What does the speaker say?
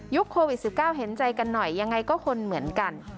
โควิด๑๙เห็นใจกันหน่อยยังไงก็คนเหมือนกัน